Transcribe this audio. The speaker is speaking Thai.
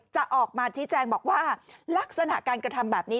จะออกมาชี้แจงบอกว่าลักษณะการกระทำแบบนี้